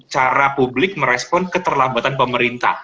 cara publik merespon keterlambatan pemerintah